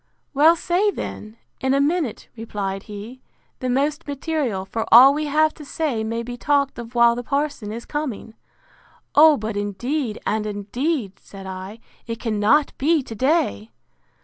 —Well, say then, in a minute, replied he, the most material: for all we have to say may be talked of while the parson is coming.—O, but indeed, and indeed, said I, it cannot be to day!